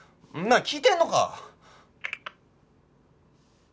なあ聞いてるのか？